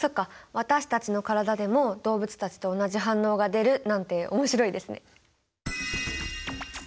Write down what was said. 私たちの体でも動物たちと同じ反応が出るなんて面白いですね。